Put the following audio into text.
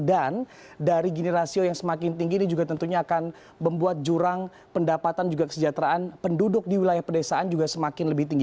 dan dari gini rasio yang semakin tinggi ini juga tentunya akan membuat jurang pendapatan juga kesejahteraan penduduk di wilayah pedesaan juga semakin lebih tinggi